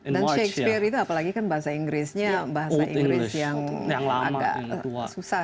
dan shakespeare itu apalagi kan bahasa inggrisnya bahasa inggris yang agak susah